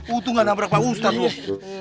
udah nggak nabrak pak ustadz